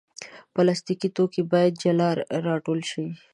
پلاستيکي توکي باید جلا راټول شي.